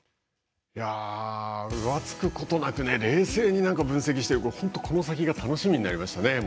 浮つくことなく冷静に分析して本当にこの先が楽しみになりましたね。